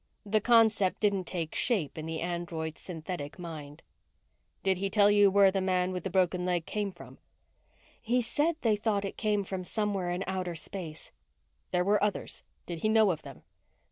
The concept didn't take shape in the android's synthetic mind. "Did he tell you where the man with the broken leg came from?" "He said they thought it came from somewhere in outer space." "There were others. Did he know of them?"